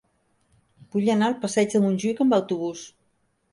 Vull anar al passeig de Montjuïc amb autobús.